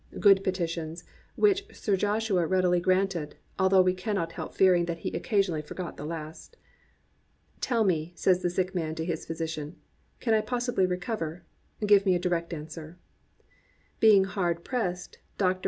Good petitions, which Sir Joshua readily granted, although we can not help fearing that he occasionally forgot the last. "Tell me," says the sick man to his physician, "can I possibly recover ? Give me a direct answer." Being hard pressed. Dr.